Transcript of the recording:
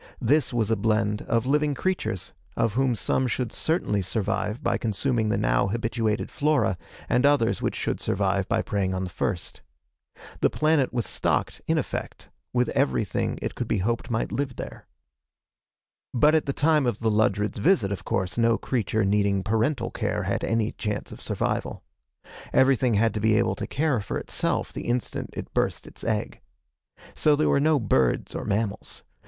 This was a blend of living creatures, of whom some should certainly survive by consuming the now habituated flora, and others which should survive by preying on the first. The planet was stocked, in effect, with everything it could be hoped might live there. But at the time of the Ludred's visit of course no creature needing parental care had any chance of survival. Everything had to be able to care for itself the instant it burst its egg. So there were no birds or mammals.